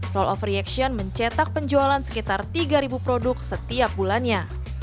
roll of reaction mencetak penjualan sekitar tiga produk setiap bulannya